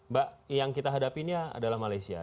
mbak yang kita hadapinya adalah malaysia